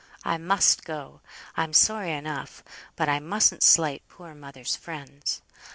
I must go. I'm sorry enough; but I mustn't slight poor mother's friends.